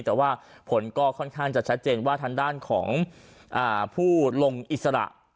แต่ว่าผลก็ค่อนข้างจะชัดเจนว่าทางด้านของผู้ลงอิสระ